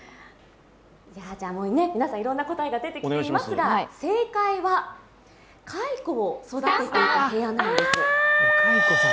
じゃあ、皆さんいろんな答えが出てきていますが正解は蚕を育てていた部屋なんです。